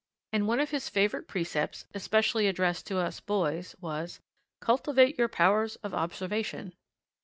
And one of his favourite precepts especially addressed to us boys was "Cultivate your powers of observation."